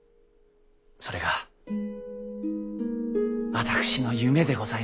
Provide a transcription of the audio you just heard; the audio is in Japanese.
それが私の夢でございます。